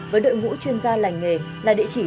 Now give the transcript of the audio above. với đội ngũ chuyên gia lành nghề là địa chỉ